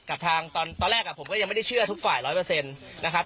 กับทางตอนแรกผมก็ยังไม่ได้เชื่อทุกฝ่ายร้อยเปอร์เซ็นต์นะครับ